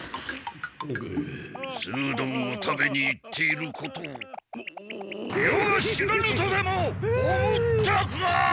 素うどんを食べに行っていることを余が知らぬとでも思ったか！